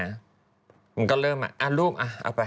มันก็เริ่มมาอ่ะลูกเอาไป